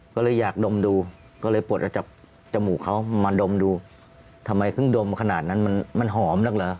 ก็เลยอยากดมดูก็เลยปลดออกจากจมูกเขามาดมดูทำไมเพิ่งดมขนาดนั้นมันหอมนักเหรอ